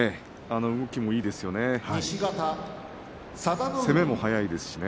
動きもいいですね。